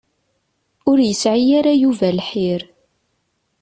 Ur yesɛi ara Yuba lḥir.